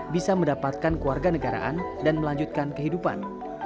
bisa mendapatkan keluarga negaraan dan melanjutkan kehidupan